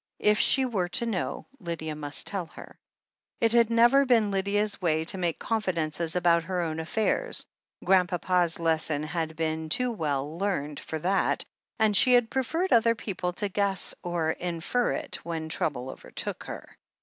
If she were to know, Lydia must tell her. It had never been Lydia's way to make confidences about her own affairs — Grandpapa's lesson had been too well learned for that — and she had preferred other people to guess or infer it when trouble overtook her.